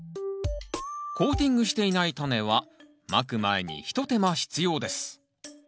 コーティングしていないタネはまく前に一手間必要です